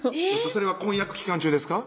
それは婚約期間中ですか？